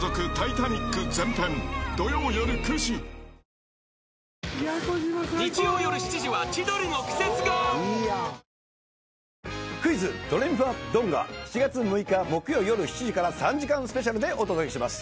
「のどごし生」『クイズ！ドレミファドン』が７月６日木曜夜７時から３時間スペシャルでお届けします。